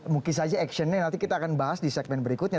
mungkin saja actionnya nanti kita akan bahas di segmen berikutnya